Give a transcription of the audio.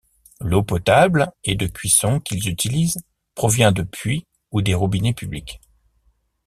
L'eau potable et de cuisson qu'ils utilisent provient de puits ou des robinets publics.